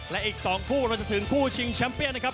และอีก๒คู่เราจะถึงคู่ชิงแชมป์เปียนนะครับ